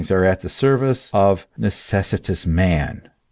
are at the service of necessitous man.